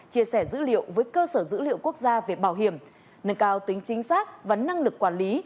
chia sẻ dữ liệu với cơ sở dữ liệu quốc gia về bảo hiểm nâng cao tính chính xác và năng lực quản lý